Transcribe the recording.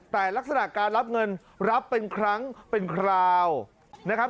แต่ลักษณะการรับเงินรับเป็นครั้งเป็นคราวนะครับ